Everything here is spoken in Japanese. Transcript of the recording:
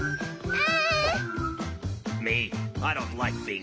あ！